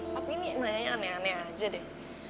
tapi ini nanya nanya aneh aneh aja deh